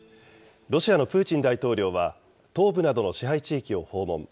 ロシアのプーチン大統領は、東部などの支配地域を訪問。